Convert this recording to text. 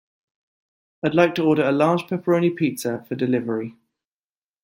I'd like to order a large pepperoni pizza for delivery.